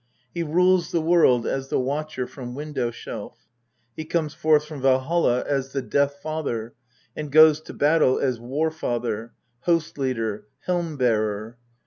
He rules the World as the Watcher from Window shelf. He comes forth from Valholl as the Death father, and goes to battle as War father, Host leader, Helm bearer.